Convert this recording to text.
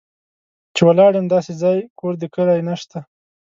چې ولاړ یم داسې ځای، کور د کلي نه شته